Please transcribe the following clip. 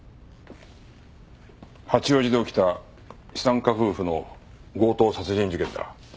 八王子で起きた資産家夫婦の強盗殺人事件だ。